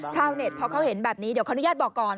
ชาวเน็ตพอเขาเห็นแบบนี้เดี๋ยวขออนุญาตบอกก่อน